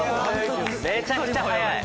めちゃくちゃ早い。